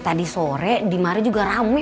tadi sore dimari juga rame